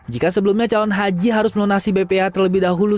jika sebelumnya calon haji harus melunasi bpa terlebih dahulu